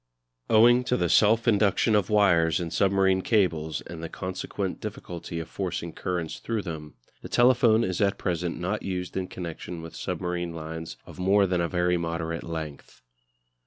Owing to the self induction of wires in submarine cables and the consequent difficulty of forcing currents through them, the telephone is at present not used in connection with submarine lines of more than a very moderate length.